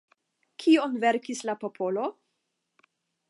Kion verkis la popolo?